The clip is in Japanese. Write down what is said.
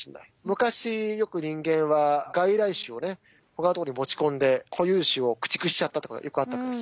昔よく人間は外来種をね他のとこに持ち込んで固有種を駆逐しちゃったとかよくあったわけです。